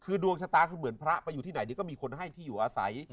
คือดวงชะตาคือเหมือนพระไปอยู่ที่ไหนเดี๋ยวก็มีคนให้ที่อยู่อาศัย